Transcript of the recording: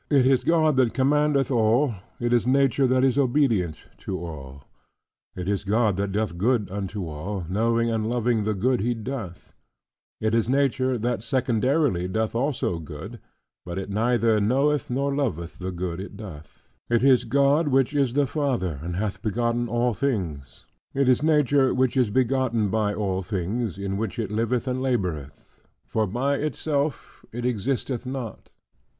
It is God that commandeth all: it is Nature that is obedient to all: it is God that doth good unto all, knowing and loving the good He doth: It is Nature, that secondarily doth also good, but it neither knoweth nor loveth the good it doth. It is God, that hath all things in Himself: Nature, nothing in itself. It is God, which is the Father, and hath begotten all things: it is Nature, which is begotten by all things, in which it liveth and laboreth; for by itself it existeth not.